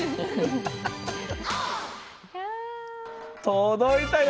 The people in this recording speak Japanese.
届いたよ